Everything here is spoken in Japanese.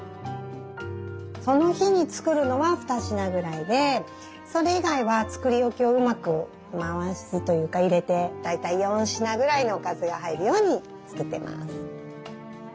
その日に作るのは２品ぐらいでそれ以外は作り置きをうまく回すというか入れて大体４品ぐらいのおかずが入るように作っています。